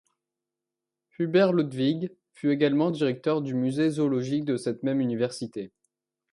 Hubert Ludwig fut également directeur du Musée zoologique de cette même université.